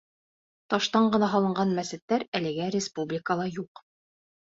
Таштан ғына һалынған мәсеттәр әлегә республикала юҡ.